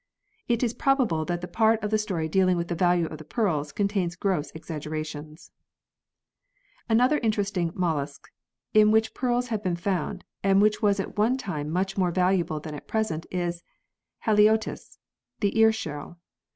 It is probable that the part of the story dealing with the value of the pearls contains gross exaggerations ! Another interesting mollusc in which pearls have been found, and which was at one time much more valuable than at present, is Haliotis the Ear Shell.